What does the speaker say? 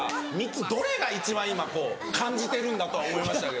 ３つどれが一番今こう感じてるんだ？とは思いました。